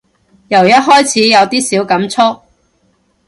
由一開始有啲小感觸